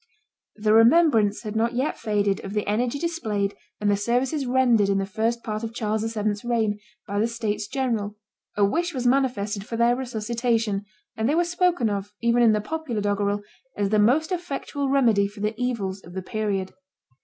The remembrance had not yet faded of the energy displayed and the services rendered in the first part of Charles VII.'s reign by the states general; a wish was manifested for their resuscitation; and they were spoken of, even in the popular doggerel, as the most effectual remedy for the evils of the period.